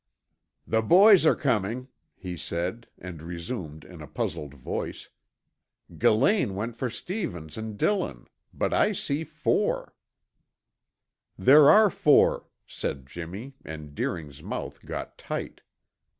"The boys are coming," he said, and resumed in a puzzled voice: "Gillane went for Stevens and Dillon; but I see four." "There are four," said Jimmy, and Deering's mouth got tight.